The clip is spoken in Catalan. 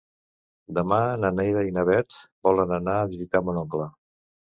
Demà na Neida i na Bet volen anar a visitar mon oncle.